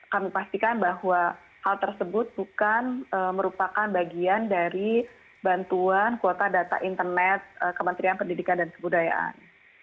kami pastikan bahwa hal tersebut bukan merupakan bagian dari bantuan kuota data internet kementerian pendidikan dan kebudayaan